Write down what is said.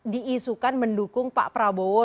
diisukan mendukung pak prabowo